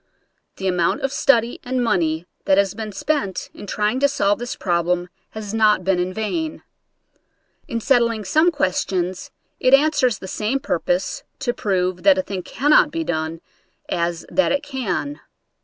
The amount of study and money that has been spent in trying to solve this problem has not been in vain. In settling some questions, it answers the same purpose to prove that a thing cannot be done as that it can.